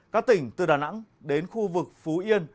các tỉnh từ đà nẵng đến khu vực phú yên